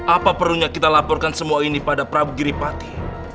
apa perunya kita laporkan semua ini pada prabu giripati